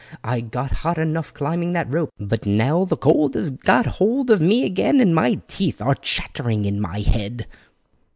"I got hot enough climbing that rope, but now the cold has got hold of me again, and my teeth are chattering in my head."